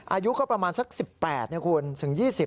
อายุก็ประมาณสัก๑๘นะคุณถึง๒๐